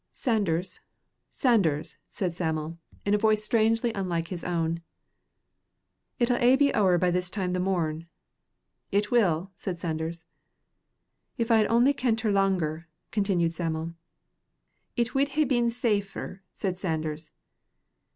"Sanders, Sanders," said Sam'l, in a voice strangely unlike his own, "it'll a' be ower by this time the morn." "It will," said Sanders. "If I had only kent her langer," continued Sam'l. "It wid hae been safer," said Sanders.